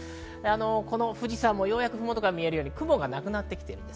富士山もようやく麓が見えるように雲がなくなってきています。